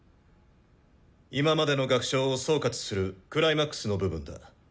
今までの楽章を総括するクライマックスの部分だ。